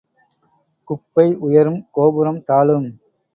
குப்பை உயரும் கோபுரம் தாழும்.